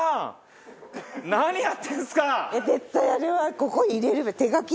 絶対あれはここ入れるべき。